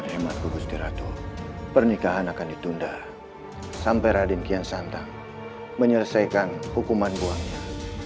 menurut hemat kugus tiratu pernikahan akan ditunda sampai raden kian santang menyelesaikan hukuman buangnya